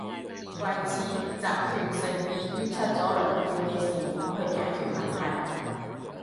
為此，集團誠意捐出咗兩倍嘅善款去解決問題